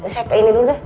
saya ke ini dulu deh